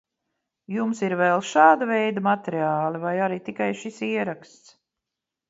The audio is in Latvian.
Jums ir vēl šāda veida materiāli, vai arī tikai šis ieraksts?